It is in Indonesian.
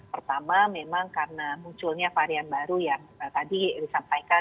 pertama memang karena munculnya varian baru yang tadi disampaikan